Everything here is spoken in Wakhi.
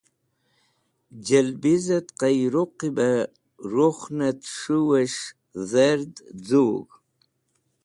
Jẽlbizẽt Qiyrũq bẽ rukhnẽt s̃hũwẽs̃h dherd z̃ug̃h.